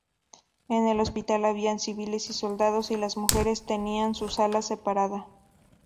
En el hospital había civiles y soldados, y las mujeres tenían su sala separada.